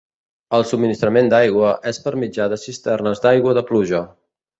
El subministrament d'aigua és per mitjà de cisternes d'aigua de pluja.